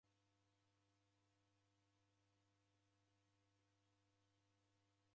Warwa lukange luko na msalaba